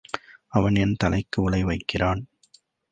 அவன் என் தலைக்கு உலை வைக்கிறான்.